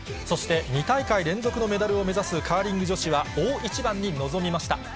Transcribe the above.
そして２大会連続のメダルを目指すカーリング女子は、大一番に臨みました。